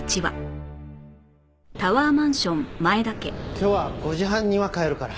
今日は５時半には帰るから。